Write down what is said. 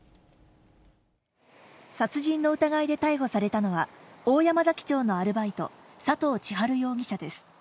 殺人の疑いで逮捕されたのは、大山崎町のアルバイト、佐藤千晴容疑者です。